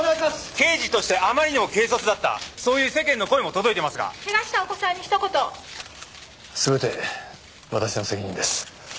刑事としてあまりにも軽率だったそういう世間の声も届いてますがケガしたお子さんにひと言すべて私の責任です